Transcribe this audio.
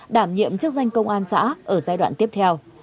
đảm nhiệm chức danh công an xã ở giai đoạn tiếp theo